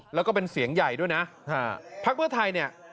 แล้วก็เป็นเสียงใหญ่ด้วยนะภักดิ์เพื่อไทย